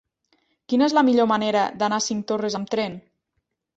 Quina és la millor manera d'anar a Cinctorres amb tren?